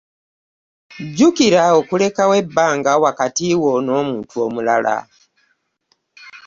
Jjukira okulekawo ebbanga wakati wo nomuntu omulala.